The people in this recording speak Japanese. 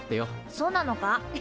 そうなのか？